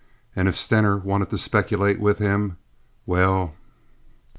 And if Stener wanted to speculate with him—well.